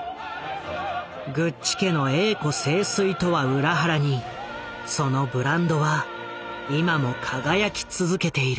グッチ家の栄枯盛衰とは裏腹にそのブランドは今も輝き続けている。